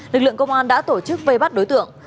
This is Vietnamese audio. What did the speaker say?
lực lượng công an đã tổ chức vây bắt đối tượng